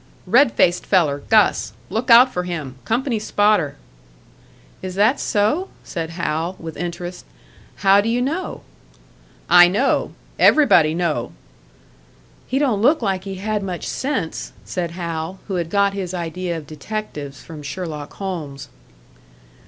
"Red faced feller, Gus. Look out for him company spotter." "Is that so?" said Hal, with interest. "How do you know?" "I know. Everybody know." "He don't look like he had much sense," said Hal who had got his idea of detectives from Sherlock Holmes.